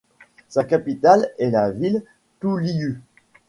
Sa capitale est la ville Touliu.